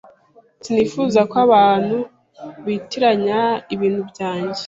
sinifuza ko abantu bitiranya ibintu byanjye.